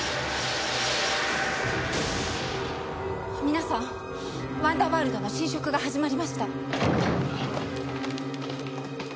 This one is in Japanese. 皆さんワンダーワールドの侵食が始まりました。